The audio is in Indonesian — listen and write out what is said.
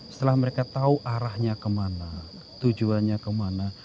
setelah mereka tahu arahnya kemana tujuannya kemana